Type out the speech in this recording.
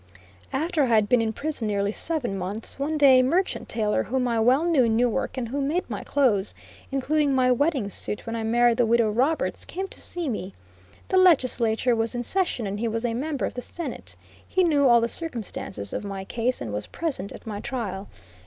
After I had been in prison nearly seven months, one day a merchant tailor whom I well knew in Newark, and who made my clothes, including my wedding suit when I married the Widow Roberts, came to see me. The legislature was in session and he was a member of the Senate. He knew all the circumstances of my case, and was present at my trial.